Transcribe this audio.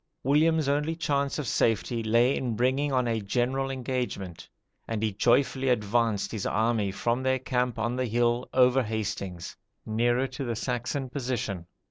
William's only chance of safety lay in bringing on a general engagement; and he joyfully advanced his army from their camp on the hill over Hastings, nearer to the Saxon position.